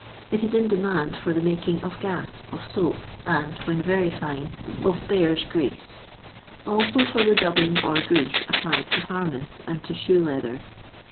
It is in demand for the making of gas, of soap, and (when very fine) of — bear's grease ; also for the dubbing or grease applied to harness and to shoe leather.